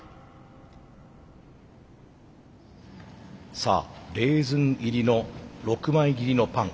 さあレーズン入りの６枚切りのパン。